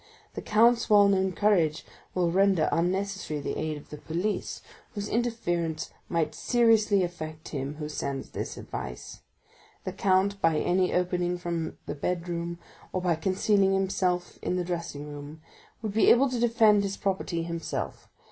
The count's well known courage will render unnecessary the aid of the police, whose interference might seriously affect him who sends this advice. The count, by any opening from the bedroom, or by concealing himself in the dressing room, would be able to defend his property himself.